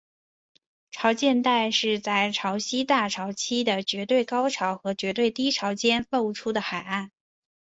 潮间带是在潮汐大潮期的绝对高潮和绝对低潮间露出的海岸。